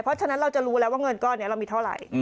เพราะฉะนั้นเราจะรู้แล้วว่าเงินก้อนนี้เรามีเท่าไหร่